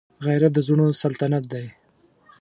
غیرت د زړونو سلطنت دی